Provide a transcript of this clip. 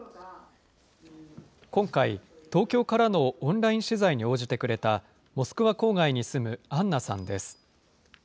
今回、東京からのオンライン取材に応じてくれた、モスクワ郊外に住むアンナさんです。